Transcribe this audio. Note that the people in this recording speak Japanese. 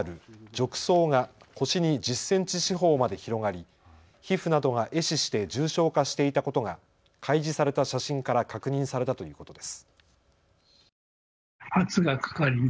じょくそうが腰に１０センチ四方まで広がり皮膚などがえ死して重症化していたことが開示された写真から確認されたということです。